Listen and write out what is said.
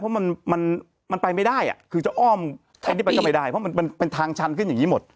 เพราะมันมันไปไม่ได้คือจะอ้อมอันนี้ไปก็ไม่ได้เพราะมันเป็นทางชันขึ้นอย่างนี้หมด